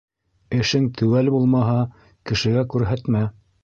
Эшең теүәл булмаһа, кешегә күрһәтмә.